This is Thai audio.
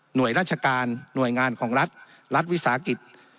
ราชการหน่วยงานของรัฐรัฐวิสาหกิจ